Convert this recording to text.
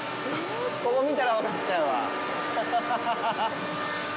ここ見たら分かっちゃうわ。